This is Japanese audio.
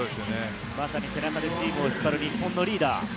まさに背中でチームを引っ張る、日本のリーダー。